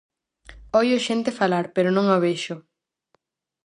Oio xente falar, pero non a vexo...